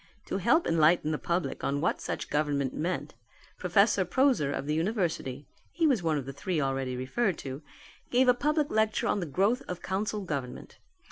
To help to enlighten the public on what such government meant Professor Proaser of the university (he was one of the three already referred to) gave a public lecture on the growth of Council Government.